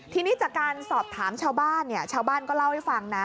ทีนี้จากการสอบถามชาวบ้านเนี่ยชาวบ้านชาวบ้านก็เล่าให้ฟังนะ